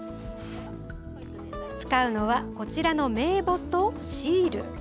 使うのはこちらの名簿とシール。